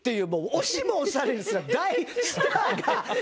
押しも押されぬ大スターがねっ？